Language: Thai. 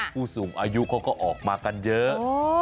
ผู้สูงอายุเขาก็ออกมากันเยอะ